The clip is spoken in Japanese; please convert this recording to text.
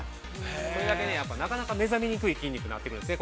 ◆それだけね、やっぱなかなか目覚めにくい筋肉になってくるんですね